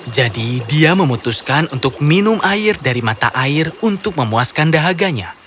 jadi dia memutuskan untuk minum air dari mata air untuk memuaskan dahaganya